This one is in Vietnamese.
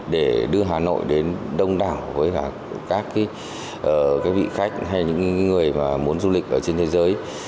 để đưa hà nội đến đông đảo với các vị khách hay những người mà muốn du lịch ở trên thế giới